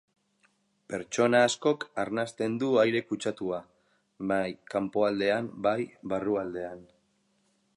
Pertsona askok arnasten du aire kutsatua, bai kanpoaldean bai barrualdean.